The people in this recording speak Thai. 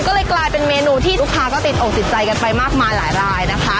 ก็เลยกลายเป็นเมนูที่ลูกค้าก็ติดอกติดใจกันไปมากมายหลายรายนะคะ